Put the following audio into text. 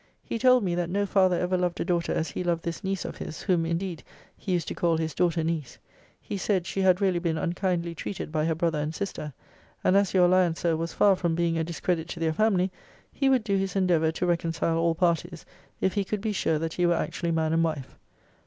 He told me that no father ever loved a daughter as he loved this niece of his; whom, indeed, he used to call his daughter niece. He said, she had really been unkindly treated by her brother and sister: and as your alliance, Sir, was far from being a discredit to their family, he would do his endeavour to reconcile all parties, if he could be sure that ye were actually man and wife.'